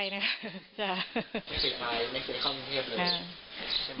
ไม่เคยไปนะครับ